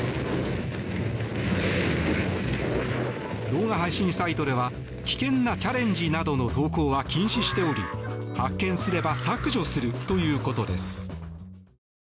動画配信サイトでは危険なチャレンジなどの投稿は禁止しており、発見すれば削除するということです。